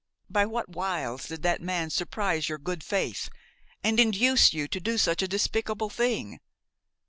By what wiles did that man surprise your good faith and induce you to do such a despicable thing?